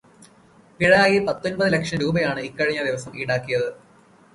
പിഴയായി പത്തൊമ്പത് ലക്ഷം രൂപയാണ് ഇക്കഴിഞ്ഞ ദിവസം ഈടാക്കിയത്.